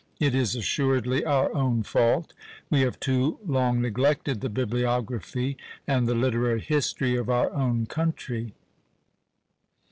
It is assuredly our own fault. We have too long neglected the bibliography and the literary history of our own country.